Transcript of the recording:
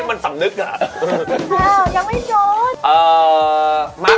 มาแทงเองมา